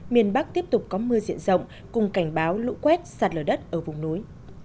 miền bắc tiếp tục có mưa diện rộng cùng cảnh báo lũ quét sạt lở đất ở vùng núi